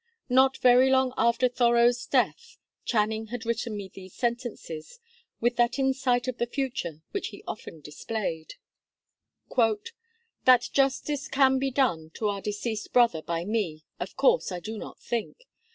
Not very long after Thoreau's death Channing had written me these sentences, with that insight of the future which he often displayed: "That justice can be done to our deceased brother by me, of course I do not think.